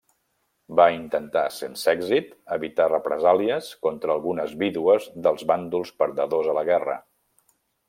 Va intentar, sense èxit, evitar represàlies contra algunes vídues dels bàndols perdedors a la guerra.